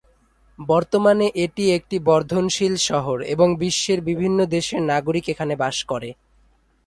বর্তমানে এটি একটি বর্ধনশীল শহর এবং বিশ্বের বিভিন্ন দেশের নাগরিক এখানে বাস করে।